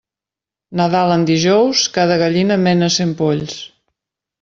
Nadal en dijous, cada gallina mena cent polls.